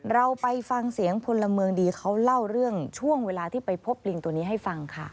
เราไปฟังเสียงพลเมืองดีเขาเล่าเรื่องช่วงเวลาที่ไปพบลิงตัวนี้ให้ฟังค่ะ